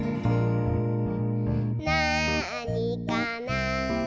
「なあにかな？」